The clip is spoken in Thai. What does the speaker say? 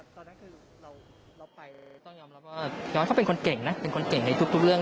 ตอนนั้นคือเราไปต้องยอมรับว่าย้อนเขาเป็นคนเก่งนะเป็นคนเก่งในทุกเรื่อง